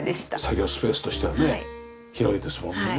作業スペースとしてはね広いですもんね。